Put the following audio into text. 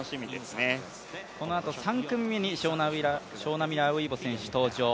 このあと３組目にショウナ・ミラーウイボ選手登場。